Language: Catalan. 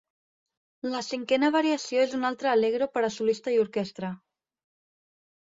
La cinquena variació és un altre allegro per a solista i orquestra.